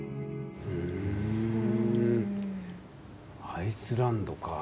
アイスランドか。